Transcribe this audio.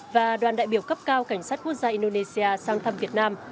và đoàn đại biểu cấp cao cảnh sát quốc gia indonesia sang thăm việt nam